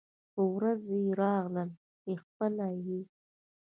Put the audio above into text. خو ورځ يې راغله چې خپله یې